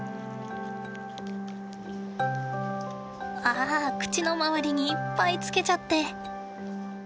あ口の周りにいっぱいつけちゃって。